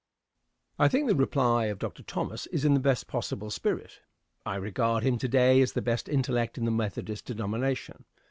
Answer. I think the reply of Dr. Thomas is in the best possible spirit. I regard him to day as the best intellect in the Methodist denomination.